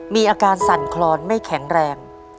มีอาการสั่นคลอนไม่แข็งแรง